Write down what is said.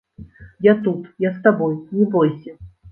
Я тут, я з табой, не бойся.